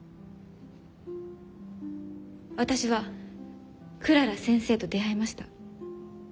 私はクララ先生と出会いました。